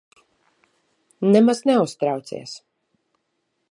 Nemaz neuztraucies.